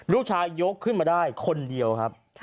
ยกขึ้นมาได้คนเดียวครับ